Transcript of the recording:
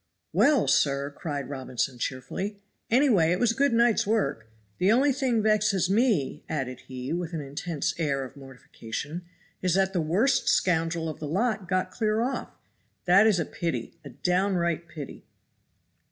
"Well, sir," cried Robinson cheerfully, "any way it was a good night's work. The only thing vexes me," added he, with an intense air of mortification, "is that the worst scoundrel of the lot got clear off; that is a pity a downright pity."